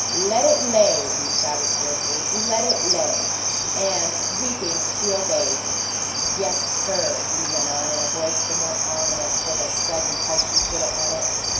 "Let it lay!" he shouted, fiercely. "Let it lay!" And, weeping, she obeyed. "Yes, sir," he went on, in a voice the more ominous for the sudden hush he put upon it.